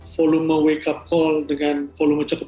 volume wake up call dengan volume cukup